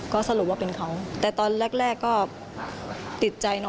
ก็สรุปว่าเป็นเขาแต่ตอนแรกก็ติดใจเนอ